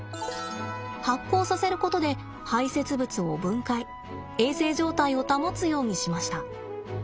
発酵させることで排せつ物を分解衛生状態を保つようにしました。